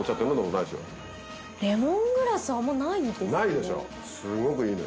レモングラスあんまないですね。